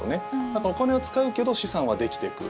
だからお金は使うけど資産はできてく。